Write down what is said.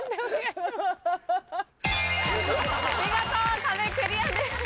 見事壁クリアです。